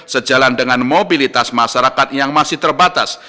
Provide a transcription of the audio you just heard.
sejalan dengan mobilitas masyarakat yang masih terbatas